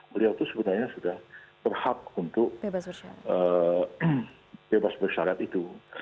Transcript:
beliau itu sebenarnya sudah berhak untuk bebas bersyarat itu